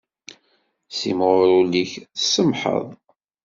Simɣur ul-ik tsemmḥeḍ.